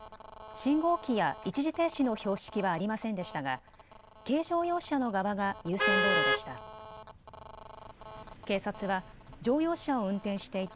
信号機や一時停止の標識はありませんでしたが軽乗用車の側が優先道路でした。